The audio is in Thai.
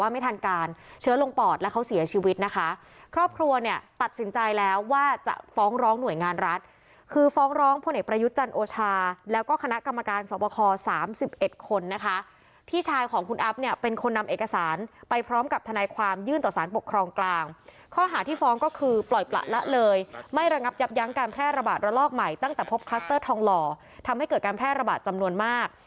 มาสเตอร์ทองหล่อทำให้เกิดการแพร่ระบาดจำนวนมาก